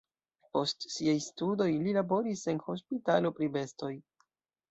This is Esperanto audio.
Post siaj studoj li laboris en hospitalo pri bestoj.